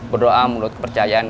berdoa menurut kepercayaan